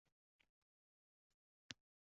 U moybo‘yoqda bajarilgan edi.